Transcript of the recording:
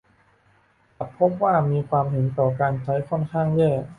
กลับพบว่าความเห็นต่อการใช้ค่อนข้างแย่